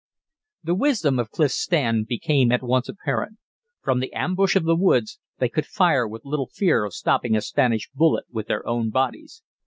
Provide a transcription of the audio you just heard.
The wisdom of Clif's stand became at once apparent. From the ambush of the woods they could fire with little fear of stopping a Spanish bullet with their own bodies.